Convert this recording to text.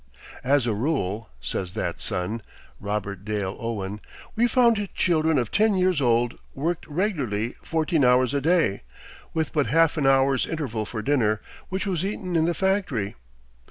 "As a rule," says that son (Robert Dale Owen), "we found children of ten years old worked regularly fourteen hours a day, with but half an hour's interval for dinner, which was eaten in the factory....